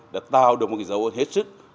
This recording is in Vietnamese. đã tạo được một cái dấu hết sức